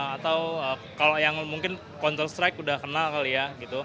atau kalau yang mungkin counter strike udah kenal kali ya